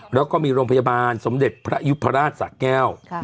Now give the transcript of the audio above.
แล้วก็มีโรงพยาบาลสมเด็จพระยุพราชสะแก้ว